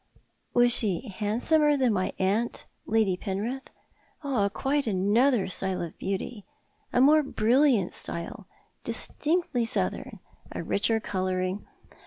" Was she handsomer than my aunt, Lady Penrith ?"" Quite another style of beaiity — a more brilhant style — distinctly southern — a richer coloiiring.